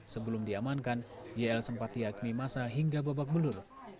sebelum diamankan yl sempat diakmi masa hingga babak belur